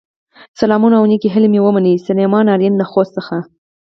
سلامونه او نیکې هیلې مې ومنئ، سليمان آرین له خوست څخه